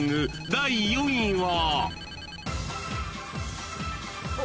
第４位は］